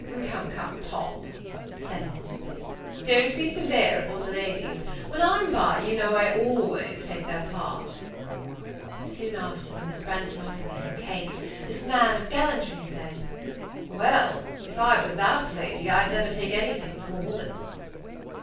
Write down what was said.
"Come, come, Tom," said Mr. Smith, "don't be severe upon the ladies; when I'm by, you know I always take their part." Soon after, when Miss Branghton offered me some cake, this man of gallantry said, "Well, if I was that lady, I'd never take any thing from a woman."